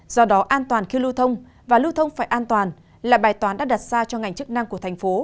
do đó an toàn khi lưu thông và lưu thông phải an toàn là bài toán đã đặt ra cho ngành chức năng của thành phố